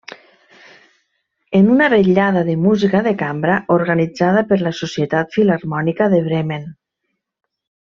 En una vetllada de música de cambra organitzada per la Societat Filharmònica de Bremen.